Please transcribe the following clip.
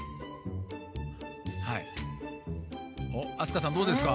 明日香さんどうですか？